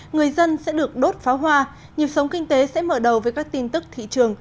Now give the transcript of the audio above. người dân sẽ được đốt pháo hoa nhiệm sống kinh tế sẽ mở đầu với các tin tức thị trường